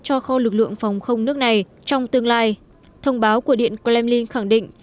cho kho lực lượng phòng không nước này trong tương lai thông báo của điện kremlin khẳng định